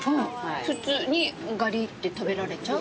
普通に、ガリッて食べられちゃう？